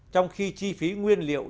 trong khi chi phí nguyên liệu